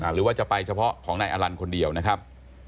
หรือว่าจะไปเฉพาะของนายอลันคนเดียวนะครับ